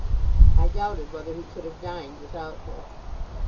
I doubted whether he could have dined without her.